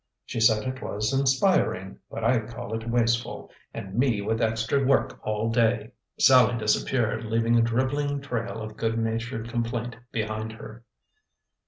She said it was inspiring, but I call it wasteful and me with extra work all day!" Sallie disappeared, leaving a dribbling trail of good natured complaint behind her.